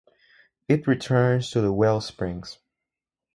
It returns to the wellsprings.